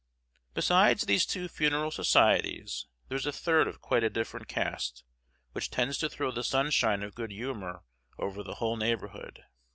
Besides these two funeral societies there is a third of quite a different cast, which tends to throw the sunshine of good humor over the whole neighborhood.